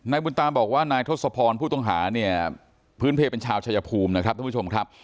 บุญตาบอกว่านายทศพรผู้ต้องหาเนี่ยพื้นเพลเป็นชาวชายภูมินะครับท่านผู้ชมครับ